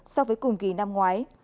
so với cùng kỳ năm ngoái